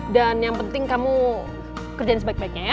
dan yang penting kamu kerjain sebaik baiknya ya